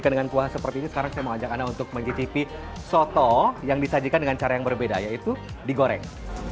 dan dengan kuah seperti ini sekarang saya mau ajak anda untuk mengetipi soto yang disajikan dengan cara yang berbeda yaitu digoreng